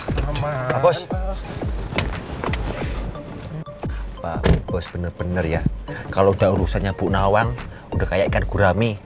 hai babu bos bener bener ya kalau udah urusannya bunawang udah kayak ikan kurami